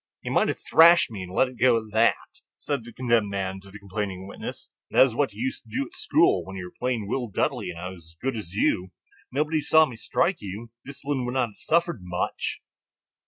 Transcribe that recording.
"You might have thrashed me and let it go at that," said the condemned man to the complaining witness; "that is what you used to do at school, when you were plain Will Dudley and I was as good as you. Nobody saw me strike you; discipline would not have suffered much."